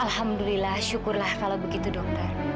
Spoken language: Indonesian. alhamdulillah syukurlah kalau begitu dokter